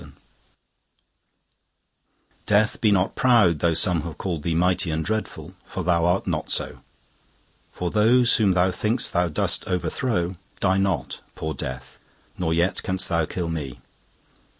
Death DEATH, be not proud, though some have callèd thee Mighty and dreadful, for thou art not so: For those whom thou think'st thou dost overthrow Die not, poor Death; nor yet canst thou kill me.